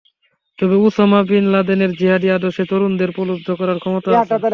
তবে Osama bin লাদেনের জিহাদি আদর্শে তরুণদের প্রলুব্ধ করার ক্ষমতা আছে।